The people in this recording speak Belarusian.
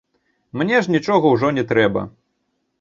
Мне ж нічога ўжо не трэба.